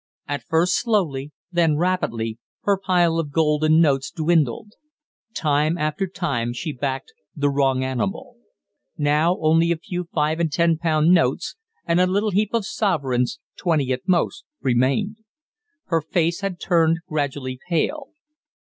At first slowly, then rapidly, her pile of gold and notes dwindled. Time after time she backed the wrong "animal." Now only a few five and ten pound notes and a little heap of sovereigns twenty at most remained. Her face had turned gradually pale.